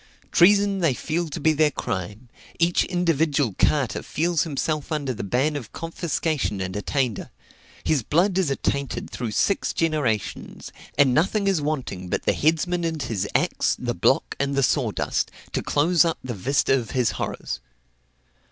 Treason they feel to be their crime; each individual carter feels himself under the ban of confiscation and attainder: his blood is attainted through six generations, and nothing is wanting but the headsman and his axe, the block and the sawdust, to close up the vista of his horrors.